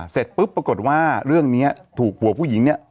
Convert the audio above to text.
เสร็จปุ๊บปรากฏว่าเรื่องนี้ถูกผัวผู้หญิงเนี่ย